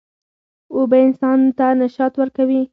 اوبه انسان ته نشاط ورکوي.